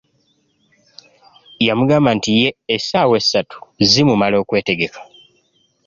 Yamugamba nti ye essaawa essatu zimumala okwetegekka.